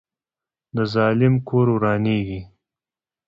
د ظالم کور ورانیږي